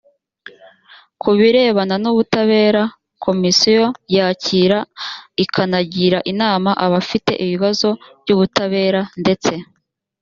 ku birebana n ubutabera komisiyo yakira ikanagira inama abafite ibibazo by ubutabera ndetse